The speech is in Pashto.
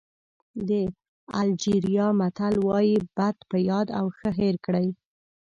د الجېریا متل وایي بد په یاد او ښه هېر کړئ.